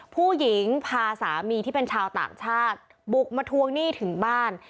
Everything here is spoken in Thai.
ผู้หญิงพาสามีที่เป็นชาวต่างชาติบุกมาทวงหนี้ถึงบ้าน